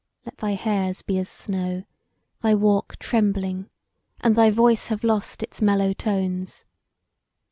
Let thy hairs be as snow; thy walk trembling and thy voice have lost its mellow tones!